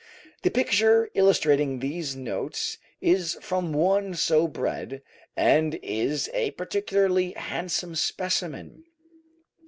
The picture illustrating these notes is from one so bred, and is a particularly handsome specimen.